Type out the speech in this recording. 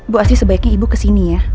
bu astri sebaiknya ibu ke sini ya